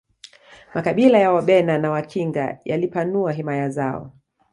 makabila ya wabena na wakinga yalipanua himaya zao